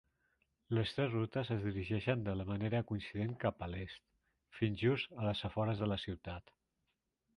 Les tres rutes es dirigeixen de manera coincident cap a l'est, fins just a les afores de la ciutat.